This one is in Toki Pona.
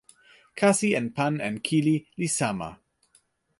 kasi en pan en kili li sama.